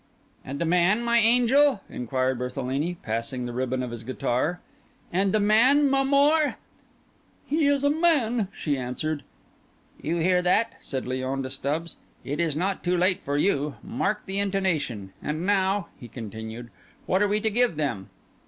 "And the man, my angel?" inquired Berthelini, passing the ribbon of his guitar. "And the man, m'amour?" "He is a man," she answered. "You hear that?" said Léon to Stubbs. "It is not too late for you. Mark the intonation. And now," he continued, "what are we to give them?"